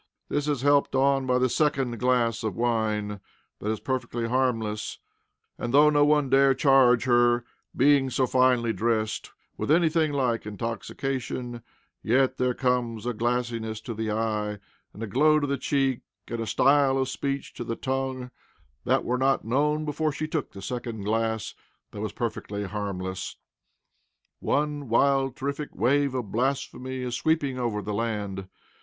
This is helped on by the second glass of wine, that is perfectly harmless; and though no one dare charge her, being so finely dressed, with anything like intoxication, yet there comes a glassiness to the eye, and a glow to the cheek, and a style of speech to the tongue that were not known before she took the second glass that was perfectly harmless. One wild, terrific wave of blasphemy is sweeping over the land.